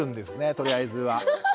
とりあえずは。